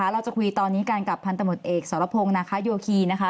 เราจะคุยตอนนี้กันกับพันธุ์ตำรวจเอกสรพงศ์ยูโอคี